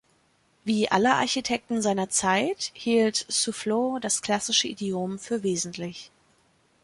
Wie alle Architekten seiner Zeit hielt Soufflot das klassische Idiom für wesentlich.